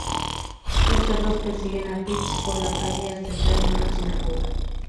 Los cerdos persiguen a Fritz por la calle hasta entrar en una sinagoga.